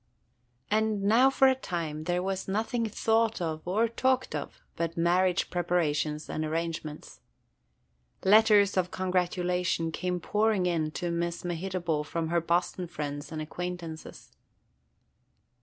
AND now for a time there was nothing thought of or talked of but marriage preparations and arrangements. Letters of congratulation came pouring in to Miss Mehitable from her Boston friends and acquaintances.